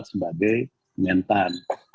itu juga yang penting juga untuk menyampaikan